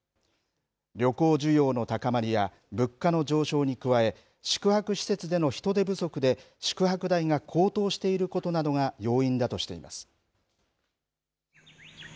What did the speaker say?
旅行需要の高まりや物価の上昇に加え宿泊施設での人手不足で宿泊代が高騰していることなどが要因だとしています。